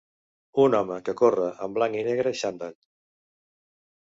Un home que corre en blanc i negre xandall